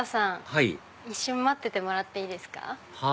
はい一瞬待ってもらっていいですか？